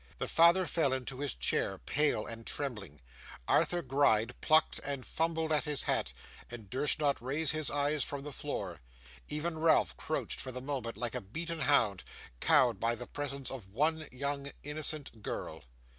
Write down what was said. The father fell into his chair pale and trembling; Arthur Gride plucked and fumbled at his hat, and durst not raise his eyes from the floor; even Ralph crouched for the moment like a beaten hound, cowed by the presence of one young innocent girl!